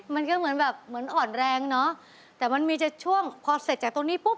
มันก็เหมือนอ่อนแรงเนอะแต่มันมีช่วงพอเสร็จจากตรงนี้ปุ๊บ